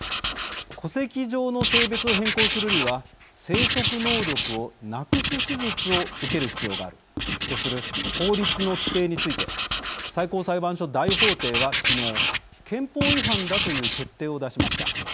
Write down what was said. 戸籍上の性別を変更するには生殖能力をなくす手術を受ける必要があるとする法律の規定について最高裁判所大法廷は昨日憲法違反だという決定を出しました。